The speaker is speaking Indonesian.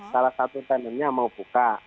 salah satu tendennya mau buka